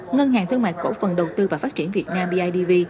ngân hàng thương mại cổ phần đầu tư và phát triển việt nam bidv